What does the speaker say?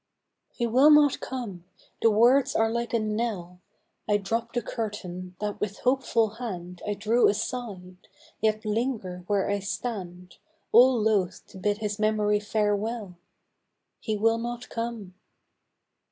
93 "He will not come !" the words are like a knell, I drop the curtain that with hopeful hand I drew aside, yet linger where I stand. All loth to bid his memory farewell, He will not come